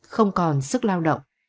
không còn sức lao động